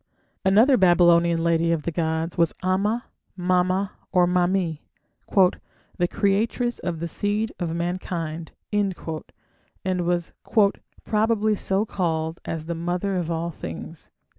Another Babylonian lady of the gods was Ama, Mama, or Mami, "the creatress of the seed of mankind", and was "probably so called as the 'mother' of all things".